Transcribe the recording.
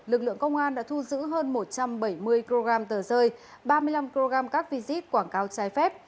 lực lượng công an đã thu giữ hơn một trăm bảy mươi kg tờ rơi ba mươi năm kg các visit quảng cáo trái phép